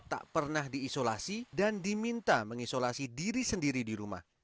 tak pernah diisolasi dan diminta mengisolasi diri sendiri di rumah